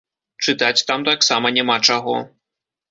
Чытаць там таксама няма чаго.